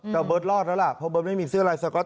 แต่เบิร์ตรอดแล้วล่ะเพราะเบิร์ตไม่มีเสื้อลายสก๊อต